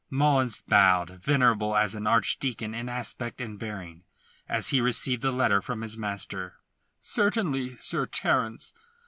Mullins bowed, venerable as an archdeacon in aspect and bearing, as he received the letter from his master: "Certainly, Sir Terence."